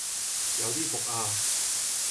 有啲伏啊